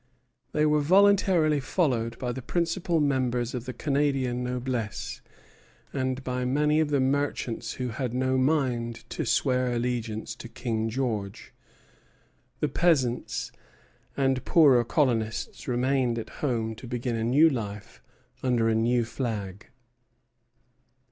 They were voluntarily followed by the principal members of the Canadian noblesse, and by many of the merchants who had no mind to swear allegiance to King George. The peasants and poorer colonists remained at home to begin a new life under a new flag.